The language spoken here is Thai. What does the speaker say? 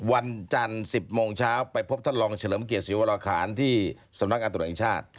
วันจันทร์๑๐โมงเช้าไปพบท่านรองเฉลิมเกียรติศรีวรคารที่สำนักงานตรวจแห่งชาติ